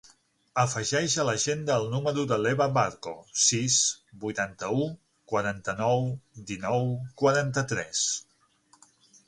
Afegeix a l'agenda el número de l'Eva Barco: sis, vuitanta-u, quaranta-nou, dinou, quaranta-tres.